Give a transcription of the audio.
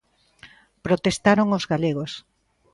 Protestaron os galegos.